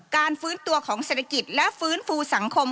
การฟื้นตัวของเศรษฐกิจและฟื้นฟูสังคม